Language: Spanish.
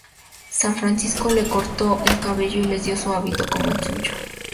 San Francisco les cortó el cabello y les dio un hábito como el suyo.